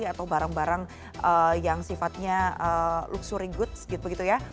atau barang barang yang sifatnya luxury goods gitu ya